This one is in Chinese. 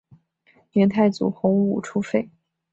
明太祖洪武初废。